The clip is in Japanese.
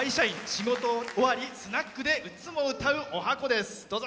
仕事終わりスナックでいつも歌うおはこです。